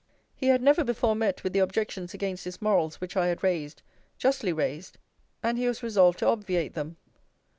He had never before met with the objections against his morals which I had raised, justly raised: and he was resolved to obviate them.